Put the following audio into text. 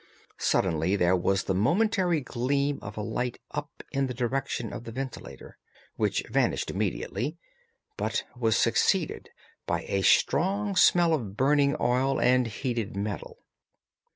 Suddenly there was the momentary gleam of a light up in the direction of the ventilator, which vanished immediately, but was succeeded by a strong smell of burning oil and heated metal.